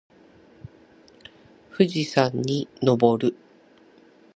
富士山にのぼる。